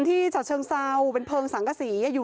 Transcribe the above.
ที่เจาะเชิงเศร้าบเภิร์งสกษี